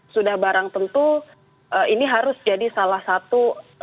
sudah barang tentu ini harus jadi salah satu